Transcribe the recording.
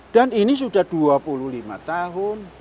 dan ini sudah dua puluh lima tahun